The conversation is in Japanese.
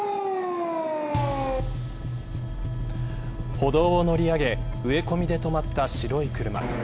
歩道を乗り上げ植え込みで止まった白い車。